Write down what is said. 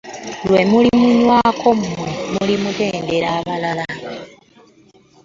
Lwe mulimunywako mmwe mulimutendera abalala.